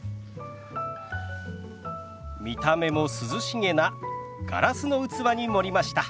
見た目も涼しげなガラスの器に盛りました。